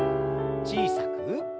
小さく。